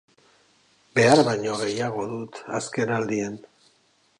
Behar baino gehiago dut azken aldian.